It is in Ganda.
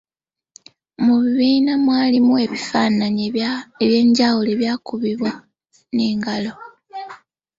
Mu bibiina mwalimu ebifaananyi eby’enjawulo ebyakubibwa n’engalo.